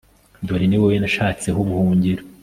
dore ni wowe nashatseho ubuhungiro